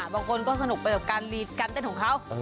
บางคนก็สนุกไปกับการเต้นของเขา